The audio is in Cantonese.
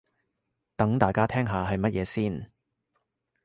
等大家聽下係乜嘢先